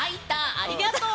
ありがとう！